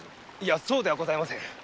そうではございません。